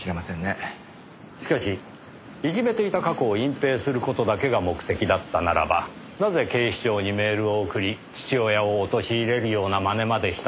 しかしいじめていた過去を隠蔽する事だけが目的だったならばなぜ警視庁にメールを送り父親を陥れるようなまねまでしたのか。